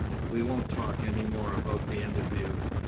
"We won't talk any more about the interview.